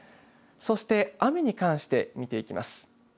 そして雨に関して見ていきます。